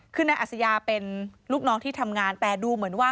คือนายอัศยาเป็นลูกน้องที่ทำงานแต่ดูเหมือนว่า